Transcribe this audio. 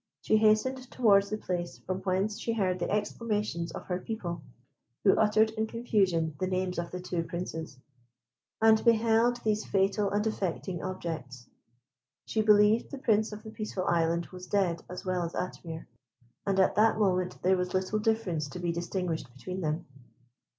She hastened towards the place from whence she heard the exclamations of her people, who uttered in confusion the names of the two Princes, and beheld these fatal and affecting objects. She believed the Prince of the Peaceful Island was dead as well as Atimir, and at that moment there was little difference to be distinguished between them.